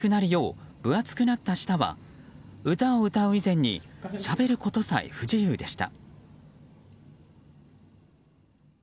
生きるために食事がしやすくなるよう分厚くなった舌は歌を歌う以前にしゃべることさえ不自由でした。